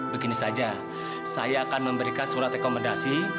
begini saja saya akan memberikan surat rekomendasi